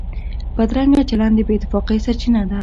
بدرنګه چلند د بې اتفاقۍ سرچینه ده